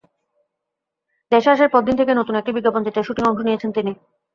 দেশে আসার পরদিন থেকেই নতুন একটি বিজ্ঞাপনচিত্রের শুটিংয়ে অংশ নিয়েছেন তিনি।